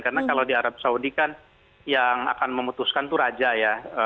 karena kalau di arab saudi kan yang akan memutuskan itu raja ya